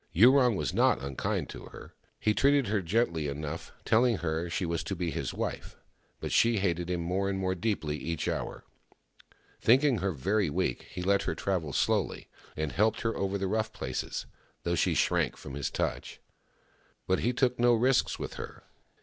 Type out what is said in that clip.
Yurong was not unkind to her. He treated her gently enough, telling her she was to be his wife, but she hated him more and more deeply each hour. Thinking her very weak, he let her travel slowly, and helped her over the rough places, though she shrank from his touch. But he took no risks with her.